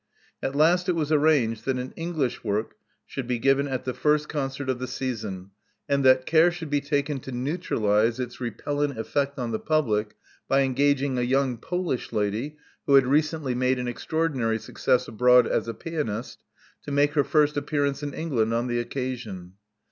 At last it was arranged that an English work should be given at the first con cert of the season, and that care should be taken to neutralize its repellent effect on the public by engag ing a young Polish lady, who had recently made an extraordinary success abroad as a pianist, to make her first appearance in England on the occasion.